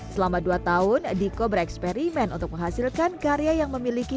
selama dua tahun diko bereksperimen untuk menghasilkan karya yang memiliki